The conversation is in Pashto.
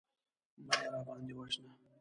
مه يې راباندې وژنه.